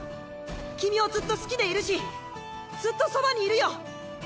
君をずっと好きでいるしずっとそばにいるよ！